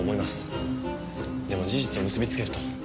でも事実を結びつけると。